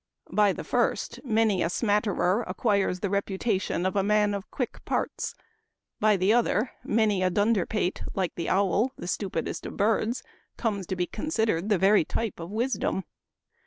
By the first, many a smatterer acquires the reputation of a man of quick parts ; by the other, many a dunderpate, like the owl, the stupidest of birds, comes to be considered 58 Memoir of Washington Irving. the very type of wisdom.